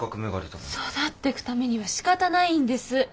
育ってくためにはしかたないんです。